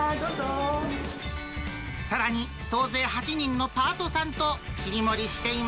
さらに総勢８人のパートさん